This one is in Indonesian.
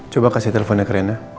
coba kasih teleponnya ke rena